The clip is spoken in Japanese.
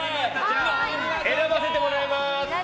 では、選ばせてもらいます。